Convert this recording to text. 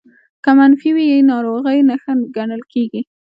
که منفي وي ناروغۍ نښه ګڼل کېږي